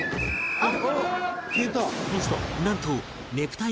「あっ」